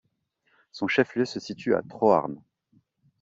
Son chef-lieu se situe à Troarn.